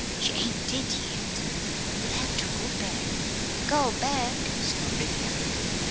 "She ain't dead yet. You'll have ter go back." "Go back!" snorted Herrick.